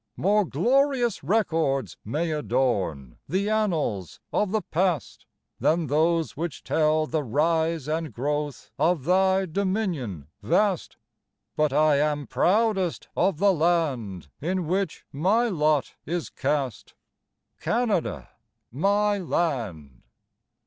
More glorious records may adorn The annals of the past Than those which tell the rise and growth Of thy dominion vast; But I am proudest of the land In which my lot is cast, Canada, my land.